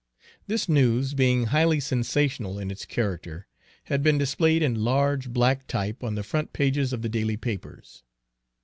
This news, being highly sensational in its character, had been displayed in large black type on the front pages of the daily papers.